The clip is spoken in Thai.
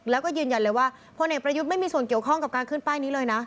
แล้วก็ยืนยันเลยว่าพลเอกประยุทธ์ไม่มีส่วนเกี่ยวข้องกับการขึ้นป้ายนี้เลยนะ